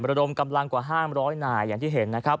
มรดมกำลังกว่า๕๐๐หน่ายอย่างที่เห็น